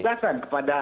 dan perjelasan kepada